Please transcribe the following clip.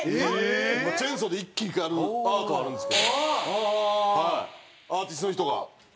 チェンソーで一気にやるアートあるんですけどアーティストの人が。